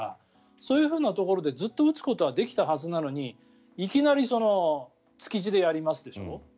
そういうところで打つこともできたはずなのにいきなり築地でやりますでしょ。